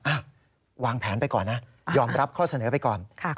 วางแผนไปก่อนนะยอมรับข้อเสนอไปก่อน